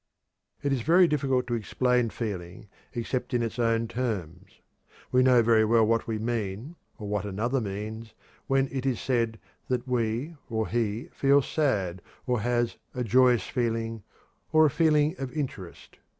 It is very difficult to explain feeling except in its own terms. We know very well what we mean, or what another means, when it is said that we or he "feels sad," or has "a joyous feeling," or "a feeling of interest."